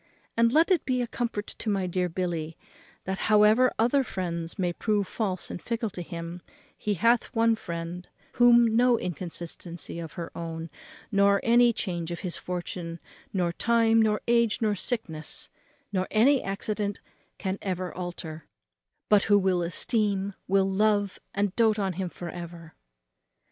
And let it be a comfort to my dear Billy, that, however other friends may prove false and fickle to him, he hath one friend, whom no inconstancy of her own, nor any change of his fortune, nor time, nor age, nor sickness, nor any accident, can ever alter; but who will esteem, will love, and doat on him for ever."